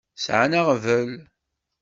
Sɛan aɣbel.